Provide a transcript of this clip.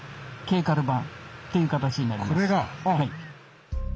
はい。